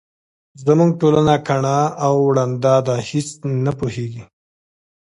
زموږ ټولنه کڼه او ړنده ده هیس نه پوهیږي.